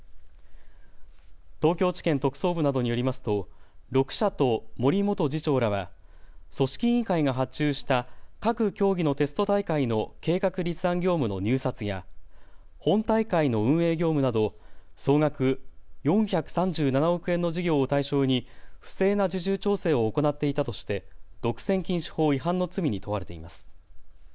東京地検特捜部などによりますと６社と森元次長らは組織委員会が発注した各競技のテスト大会の計画立案業務の入札や本大会の運営業務など総額４３７億円の事業を対象に不正な受注調整を行っていたとして独占禁止法違反の罪に問われています。